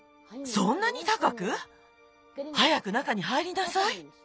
そんなにたかく？早く中に入りなさい。